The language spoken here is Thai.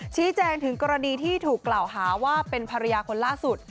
ชี้แจงถึงกรณีที่ถูกกล่าวหาว่าเป็นภรรยาคนล่าสุด